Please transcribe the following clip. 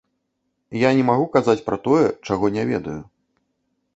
Я не магу казаць пра тое, чаго не ведаю.